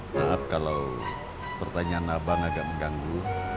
maaf kalau pertanyaan abang agak mengganggu